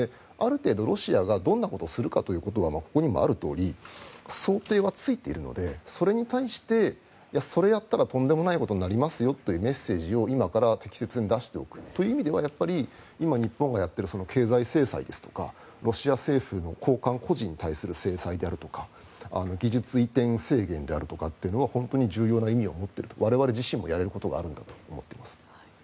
ある程度ロシアがどんなことをするかというのはここにもあるとおり想定はついているのでそれに対してそれをやったらとんでもないことになりますよというメッセージを今から適切に出しておくという意味ではやっぱり今、日本がやっている経済制裁ですとかロシア政府の高官、個人に対する制裁であるとか技術移転制限とかは本当に重要な意味を持っていると我々自身もやることがあるんだと思っています。